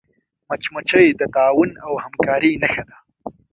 مچمچۍ د تعاون او همکاری نښه ده